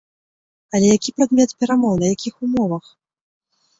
Але які прадмет перамоў, на якіх умовах?